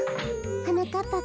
はなかっぱくん